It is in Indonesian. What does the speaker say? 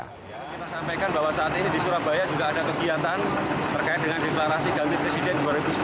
kita sampaikan bahwa saat ini di surabaya juga ada kegiatan terkait dengan deklarasi ganti presiden dua ribu sembilan belas